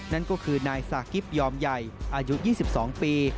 นั่นก็คือนายสากิฟต์ยอมใหญ่อายุ๒๒ปี